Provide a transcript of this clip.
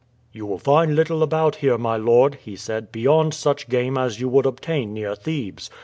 "You will find little about here, my lord," he said, "beyond such game as you would obtain near Thebes.